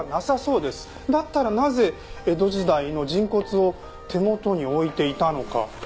だったらなぜ江戸時代の人骨を手元に置いていたのか。